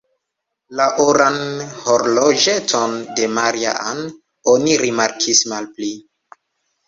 La oran horloĝeton de Maria-Ann oni rimarkis malpli.